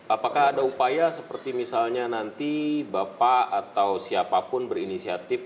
apakah ada upaya seperti misalnya nanti bapak atau siapapun berinisiatif